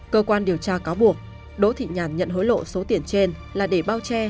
cơ quan điều tra cáo buộc đỗ thị nhàn nhận hối lộ số tiền trên là để bao che